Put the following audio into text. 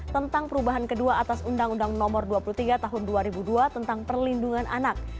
tentang perubahan kedua atas undang undang nomor dua puluh tiga tahun dua ribu dua tentang perlindungan anak